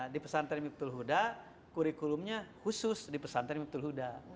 di pesantren miftul huda kurikulumnya khusus di pesantren miful huda